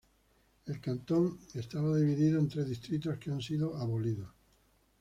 El cantón estaba dividido en tres distritos que han sido abolidos.